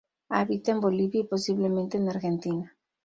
Habita en Bolivia y posiblemente en Argentina.